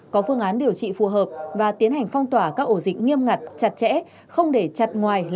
có phương án điều trị phù hợp và tiến hành phong tỏa các ổ dịch nghiêm ngặt chặt chẽ không để chặt ngoài